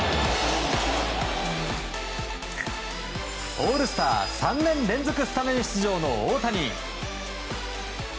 オールスター３年連続スタメン出場の大谷。